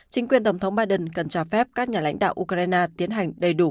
chính quyền tổng thống biden cần cho phép các nhà lãnh đạo ukraine tiến hành đầy đủ